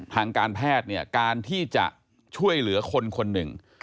ทางการแพทย์เนี่ยการที่จะช่วยเหลือคนคนหนึ่ง